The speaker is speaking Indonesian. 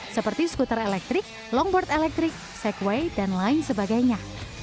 seperti skuter elektrik longboard elektrik segway dan lain sebagainya